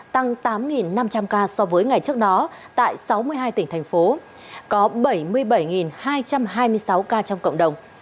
tăng tám năm trăm linh ca so với ngày trước đó tại sáu mươi hai tỉnh thành phố có bảy mươi bảy hai trăm hai mươi sáu ca trong cộng đồng